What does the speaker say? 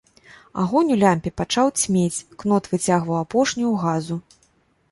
Агонь у лямпе пачаў цьмець, кнот выцягваў апошнюю газу.